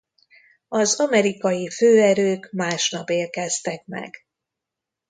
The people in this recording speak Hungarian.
Az amerikai főerők másnap érkeztek meg.